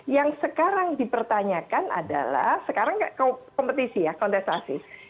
yang sekarang dipertanyakan adalah sekarang kompetisi ya kontestasi